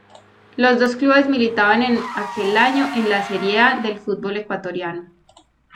Los dos clubes militaban en aquel año en la Serie A del Fútbol Ecuatoriano.